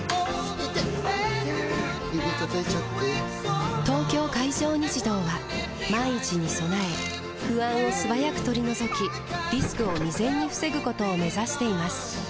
指たたいちゃって・・・「東京海上日動」は万一に備え不安を素早く取り除きリスクを未然に防ぐことを目指しています